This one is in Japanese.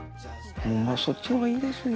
そっちの方がいいですよ。